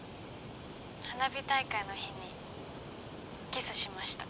花火大会の日にキスしました。